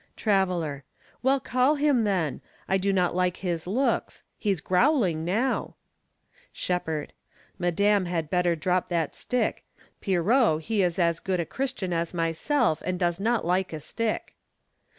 Traveler. Well, call him, then. I do not like his looks. He's growling now. Shepherd. Madame had better drop that stick. Pierrot, He is as good a Christian as myself And does not like a stick.